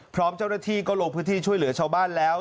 พร้อมเจ้าหน้าที่ก็ลงพื้นที่ช่วยเหลือชาวบ้านแล้ว